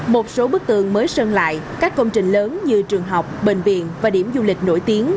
một số bức tường mới sơn lại các công trình lớn như trường học bệnh viện và điểm du lịch nổi tiếng